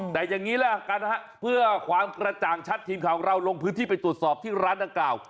แต่อย่างนี้ละกันนะฮะเพื่อความกระจ่างชัดทีมข่าวของเราลงพื้นที่ไปตรวจสอบที่ร้านดังกล่าว